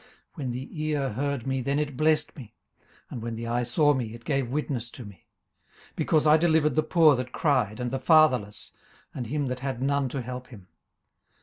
18:029:011 When the ear heard me, then it blessed me; and when the eye saw me, it gave witness to me: 18:029:012 Because I delivered the poor that cried, and the fatherless, and him that had none to help him.